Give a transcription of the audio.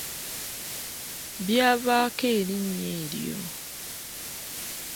Byavaako erinnya eryo.